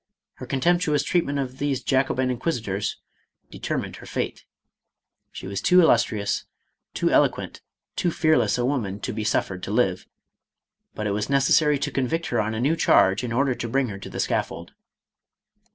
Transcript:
Her contemptuous treatment of these Jacobin inquisitors determined her fate. She was too illustrious, too eloquent, too fearless a woman to be suffered to live, but it was necessary to convict her on a new charge in order to bring her to the scaf fold.